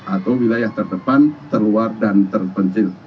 atau wilayah terdepan terluar dan terpencil